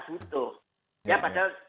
butuh ya padahal